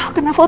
aduh ya allah